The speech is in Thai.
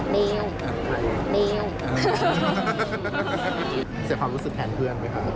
เพราะว่า